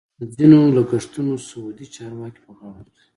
د ځینو لګښتونه سعودي چارواکي په غاړه اخلي.